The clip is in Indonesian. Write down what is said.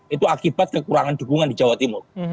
itu akibat kekurangan dukungan di jawa timur